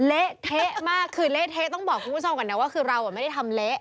เละเทะมากคือเละเทะต้องบอกคุณผู้ชมก่อนนะว่าคือเราไม่ได้ทำเละ